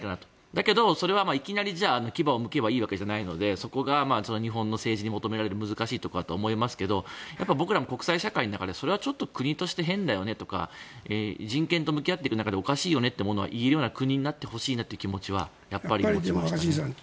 だけどそれはいきなり牙をむけばいいわけじゃないのでそこが日本の政治に求められる難しいところだと思いますが僕らも国際社会の中でそれはちょっと国として変だよねとか人権と向き合っていく中でおかしいよねと言えるような国になってほしいなという気持ちはありますね。